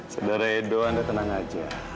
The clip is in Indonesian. sedara edo anda tenang saja